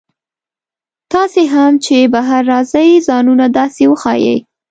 تاسي هم چې بهر راځئ ځانونه داسې وښایئ.